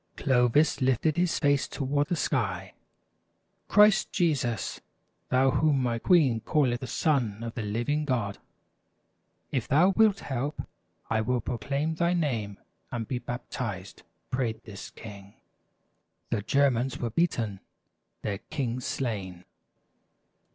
Clovis lifted his face toward the sky. " Christ Jesus, thou whom my queen calleth the Son of the Living God, if thou wilt help, I will proclaim thy name, and be baptized !" prayed this king. The Germans were beaten, their king slain.